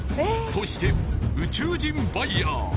そして宇宙人バイヤー